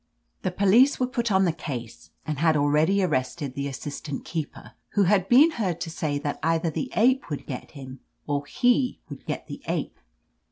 "The police were put on the case, and had already arrested the assistant keeper, who had been heard to say that either the ape would get him or he would get the ape.